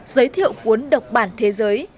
giới thiệu cuốn độc bản thế giới